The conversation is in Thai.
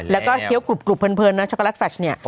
แล้วก็เฮี้ยวกรุบเพลินนะช็อกโกแลตฟัช